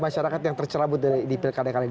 masyarakat yang tercerabut di pilih kadekali